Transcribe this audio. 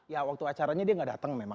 ya waktu acaranya dia nggak datang memang